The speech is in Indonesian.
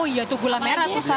oh iya tuh gula merah tuh saya